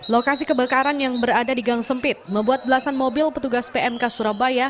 lokasi kebakaran yang berada di gang sempit membuat belasan mobil petugas pmk surabaya